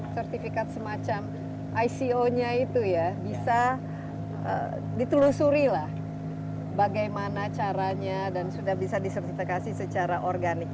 sertifikat semacam ico nya itu ya bisa ditelusuri lah bagaimana caranya dan sudah bisa disertifikasi secara organik